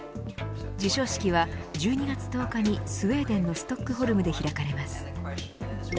授賞式は１２月１０日にスウェーデンのストックホルムで開かれます。